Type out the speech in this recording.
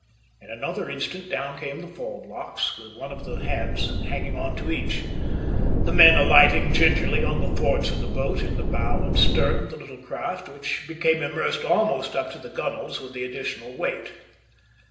In another instant down came the fall blocks, with one of the hands hanging on to each, the men alighting "gingerly" on the thwarts of the boat in the bow and stern of the little craft, which became immersed almost up to the gunwales with the additional weight.